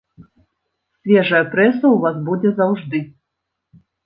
Свежая прэса ў вас будзе заўжды.